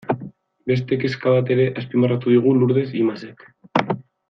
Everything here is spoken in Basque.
Beste kezka bat ere azpimarratu digu Lurdes Imazek.